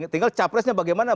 tinggal capresnya bagaimana